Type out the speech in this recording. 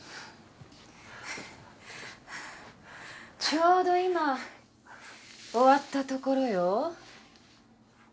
ちょうど今終わったところよ。